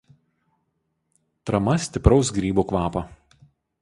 Trama stipraus grybų kvapo.